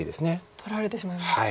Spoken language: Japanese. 取られてしまいます。